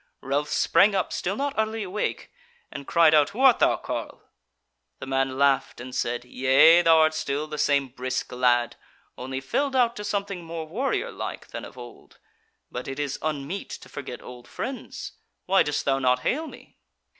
Ralph sprang up, still not utterly awake, and cried out, "Who art thou, carle?" The man laughed, and said: "Yea, thou art still the same brisk lad, only filled out to something more warrior like than of old. But it is unmeet to forget old friends. Why dost thou not hail me?"